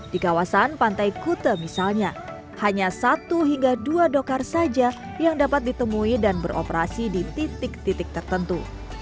di kawasan pantai kute misalnya hanya satu hingga dua dokar saja yang dapat ditemui dan beroperasi di titik titik tertentu